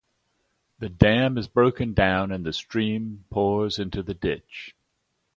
The dam is broken down and the stream pours into the ditch.